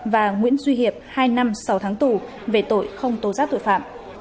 và nguyễn duy hiệp hai năm sáu tháng tù về tội không tố giác tội phạm